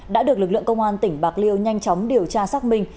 đã được lực lượng công an tỉnh bạc liêu nhanh chóng điều tra xác minh